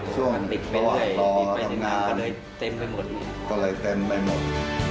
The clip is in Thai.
ช่วงรอทำงานก็เลยเต็มไปหมด